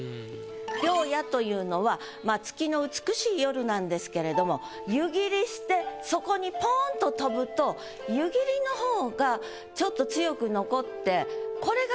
良夜というのは月の美しい夜なんですけれども湯切りしてそこにポンと飛ぶと湯切りのほうがちょっと強く残って。